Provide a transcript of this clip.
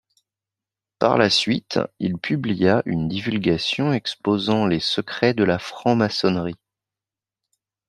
Par la suite, il publia une divulgation exposant les secrets de la franc-maçonnerie.